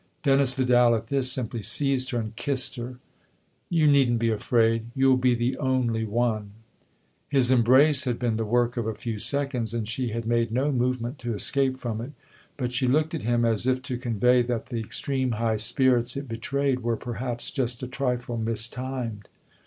Dennis Vidal, at this, simply seized her and kissed her. " You needn't be afraid you'll be the only one !" His embrace had been the work of a few seconds, and she had made no movement to escape from it ; but she looked at him as if to convey that the extreme high spirits it betrayed were perhaps just a trifle mistimed.